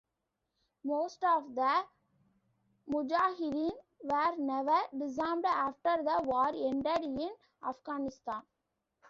Most of the mujahideen were never disarmed after the war ended in Afghanistan.